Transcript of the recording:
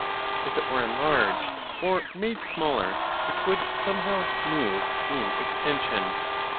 If it were enlarged or made smaller, it would somehow move in extension.